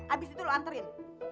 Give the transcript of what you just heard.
abis itu lu anterin